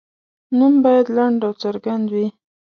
نوم باید لنډ او څرګند وي.